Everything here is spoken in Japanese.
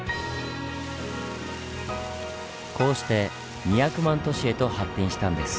こうして２００万都市へと発展したんです。